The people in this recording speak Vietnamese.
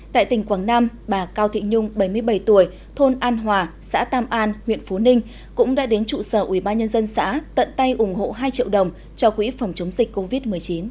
tại tỉnh quảng nam bà cao thị nhung bảy mươi bảy tuổi thôn an hòa xã tam an huyện phú ninh cũng đã đến trụ sở ubnd xã tận tay ủng hộ hai triệu đồng cho quỹ phòng chống dịch covid một mươi chín